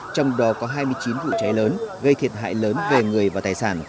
trong đó có hai mươi chín vụ cháy lớn gây thiệt hại lớn về người và tài sản